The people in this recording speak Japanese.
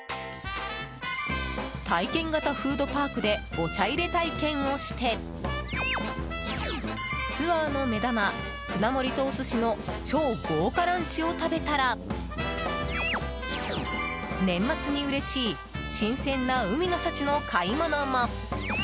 体験型フードパークでお茶入れ体験をしてツアーの目玉、舟盛りとお寿司の超豪華ランチを食べたら年末にうれしい新鮮な海の幸の買い物も！